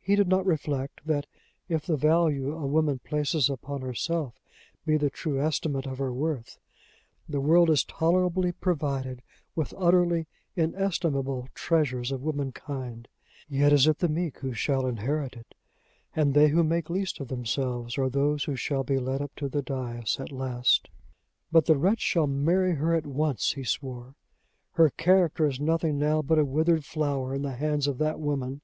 He did not reflect that, if the value a woman places upon herself be the true estimate of her worth, the world is tolerably provided with utterly inestimable treasures of womankind; yet is it the meek who shall inherit it; and they who make least of themselves are those who shall be led up to the dais at last. "But the wretch shall marry her at once!" he swore. "Her character is nothing now but a withered flower in the hands of that woman.